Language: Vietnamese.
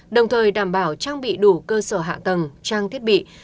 đồng thời đảm bảo trang bị đủ cơ sở hạ tầng trang thiết bị